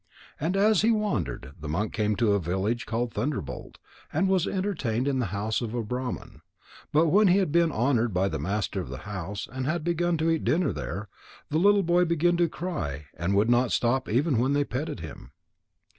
And as he wandered, the monk came to a village called Thunderbolt, and was entertained in the house of a Brahman. But when he had been honoured by the master of the house and had begun to eat dinner there, the little boy began to cry and would not stop even when they petted him.